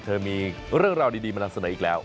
เธอมีเรื่องราวดีมานำเสนออีกแล้ว